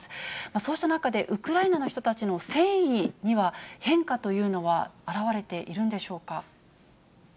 そうした中で、ウクライナの人たちの戦意には、変化というのは表れているんでし